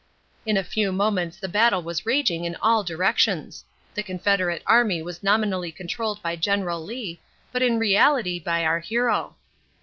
In a few moments the battle was raging in all directions. The Confederate Army was nominally controlled by General Lee, but in reality by our hero.